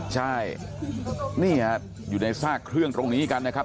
ใช่นี่ครับนายอยู่ในสร้างเครื่องหรงนี้กันนะครับ